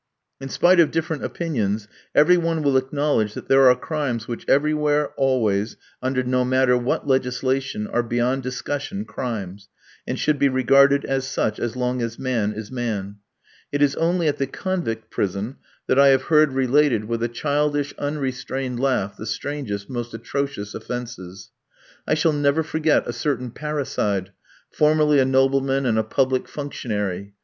In spite of different opinions, every one will acknowledge that there are crimes which everywhere, always, under no matter what legislation, are beyond discussion crimes, and should be regarded as such as long as man is man. It is only at the convict prison that I have heard related, with a childish, unrestrained laugh, the strangest, most atrocious offences. I shall never forget a certain parricide, formerly a nobleman and a public functionary.